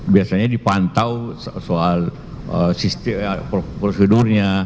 biasanya dipantau soal prosedurnya